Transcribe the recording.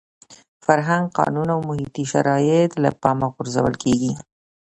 فرهنګ، قانون او محیطي شرایط له پامه غورځول کېږي.